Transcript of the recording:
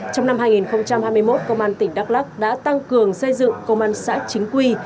trong năm hai nghìn hai mươi một công an tỉnh đắk lắc đã tăng cường xây dựng công an xã chính quy